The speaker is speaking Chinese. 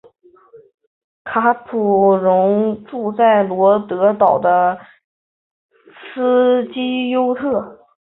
卡普荣住在罗德岛的斯基尤特。